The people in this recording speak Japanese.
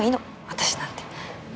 私なんて。